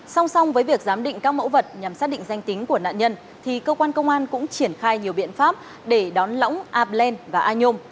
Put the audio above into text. song song với việc giám định các mẫu vật nhằm xác định danh tính của nạn nhân thì cơ quan công an cũng triển khai nhiều biện pháp để đón lõng aplen và anom